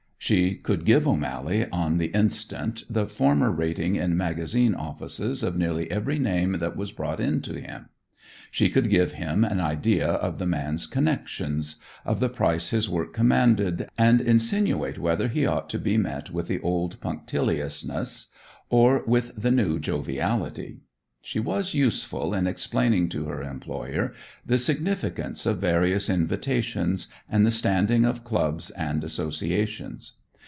She could give O'Mally on the instant the former rating in magazine offices of nearly every name that was brought in to him. She could give him an idea of the man's connections, of the price his work commanded, and insinuate whether he ought to be met with the old punctiliousness or with the new joviality. She was useful in explaining to her employer the significance of various invitations, and the standing of clubs and associations.